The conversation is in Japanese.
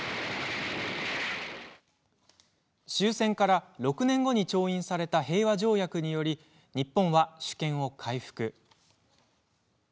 終戦から６年後に調印された平和条約により日本は主権を回復。